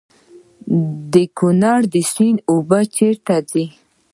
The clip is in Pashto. د کونړ سیند اوبه چیرته ځي؟